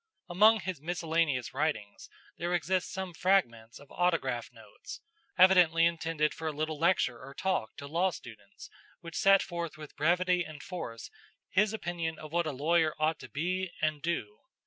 Among his miscellaneous writings there exist some fragments of autograph notes, evidently intended for a little lecture or talk to law students which set forth with brevity and force his opinion of what a lawyer ought to be and do.